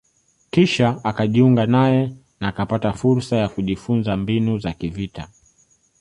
kisha akajiunga naye na akapata fursa ya kujifunza mbinu za kivita